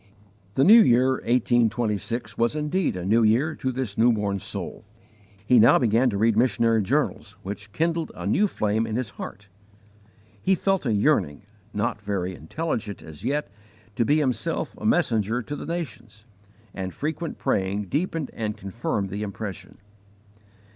The new year 1826 was indeed a new year to this newborn soul. He now began to read missionary journals, which kindled a new flame in his heart. He felt a yearning not very intelligent as yet to be himself a messenger to the nations, and frequent praying deepened and confirmed the impression.